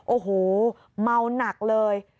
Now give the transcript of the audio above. โอ้โหเมาหนักเลย